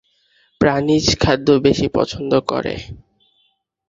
প্রাণীজ খাদ্য বেশি পছন্দ করে।